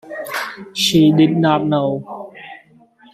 She did not know.